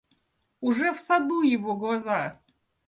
Уже в саду его глаза.